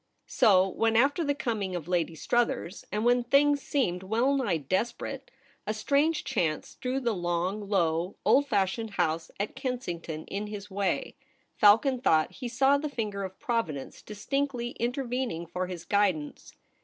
So, when after the coming of Lady Struthers, and when things seemed well nigh desperate, a strange chance threw the long low old fashioned house at Kensington in his way, Falcon thought he saw the finger of Providence distinctly inter vening for his guidance.